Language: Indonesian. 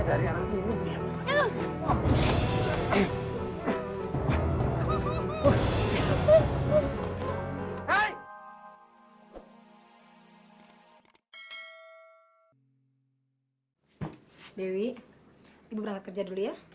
dewi ibu berangkat kerja dulu ya